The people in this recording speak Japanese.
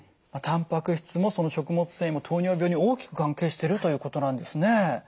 たんぱく質も食物繊維も糖尿病に大きく関係してるということなんですね。